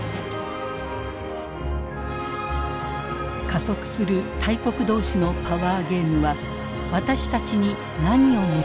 加速する大国同士のパワーゲームは私たちに何をもたらすのか。